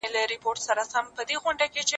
د اوښکو لاړ دي له یعقوبه تر کنعانه نه ځي